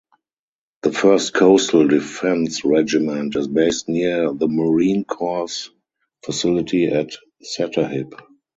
The First Coastal Defence Regiment is based near the Marine Corps facility at Sattahip.